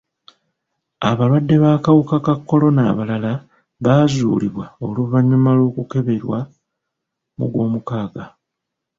Abalwadde b'akawuka ka kolona abalala baazuulibwa oluvannyuma lw'okukeberebwa mu gw'omukaaga.